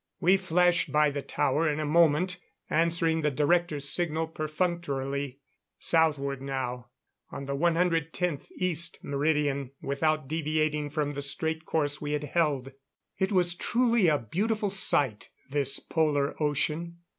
We flashed by the tower in a moment, answering the director's signal perfunctorily. Southward now, on the 110th East Meridian, without deviating from the straight course we had held. It was truly a beautiful sight, this Polar ocean.